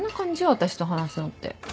私と話すのって。